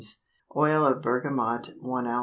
Oil of bergamot 1 oz.